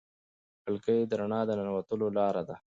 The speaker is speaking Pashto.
کړکۍ د رڼا د ننوتلو لار ده.